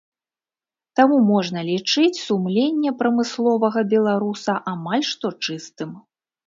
Таму можна лічыць сумленне прамысловага беларуса амаль што чыстым.